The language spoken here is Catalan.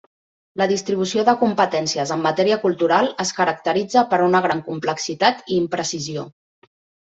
La distribució de competències en matèria cultural es caracteritza per una gran complexitat i imprecisió.